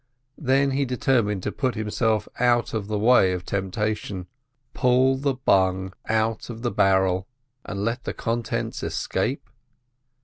Then he determined to put himself out of the way of temptation. Pull the bung out of the barrel, and let the contents escape?